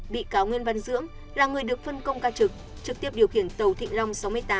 bị cáo nguyễn văn dưỡng là người được phân công ca trực trực tiếp điều khiển tàu thị long sáu mươi tám